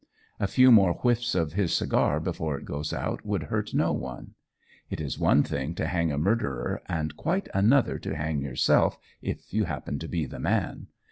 A few more whiffs of his cigar before it goes out, would hurt no one. It is one thing to hang a murderer, and quite another to hang yourself if you happen to be the man.